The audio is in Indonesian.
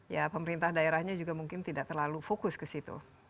ya pemerintah daerahnya juga mungkin tidak terlalu fokus ke situ